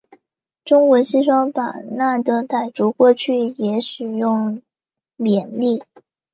中国西双版纳的傣族过去也使用缅历。